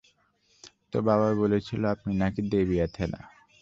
তো, বাবা বলেছিল আপনি নাকি দেবী এথেনা।